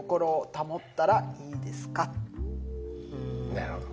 なるほど。